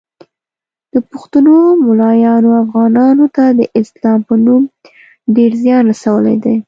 د پښتنو مولایانو افغانانو ته د اسلام په نوم ډیر ځیان رسولی دی